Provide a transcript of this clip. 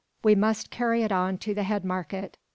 We must carry it on to the head market.